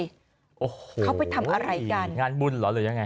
โอ้โหเขาไปทำอะไรกันงานบุญเหรอหรือยังไง